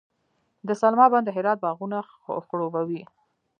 د سلما بند د هرات باغونه خړوبوي.